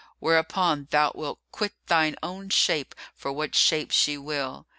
Whereupon thou wilt quit thine own shape for what shape she will.